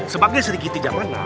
sebagai sri kiti jamanau